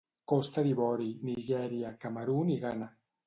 Costa d'Ivori, Nigèria, Camerun i Ghana.